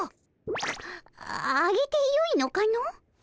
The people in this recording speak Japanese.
ああげてよいのかの？